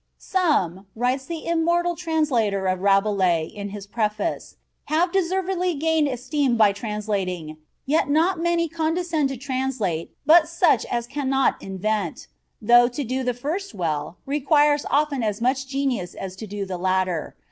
"Some," writes the immortal translator of Rabelais, in his preface, "have deservedly gained esteem by translating; yet not many condescend to translate but such as cannot invent; though to do the first well, requires often as much genius as to do the latter.